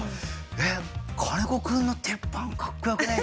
「えっ金子君の鉄板かっこよくない？」